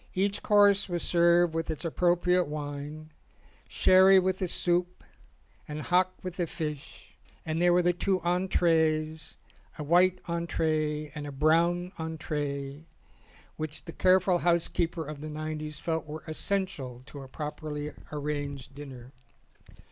Each course was served with its ap propriate wine, sherry with the soup and hock with the fish; and there were the two entrees, a white entree and a brown entree, which the careful housekeeper of the nineties felt were essential to a properly arranged dinner.